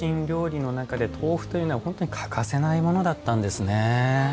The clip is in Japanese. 料理の中で豆腐というのは本当に欠かせないものだったんですね。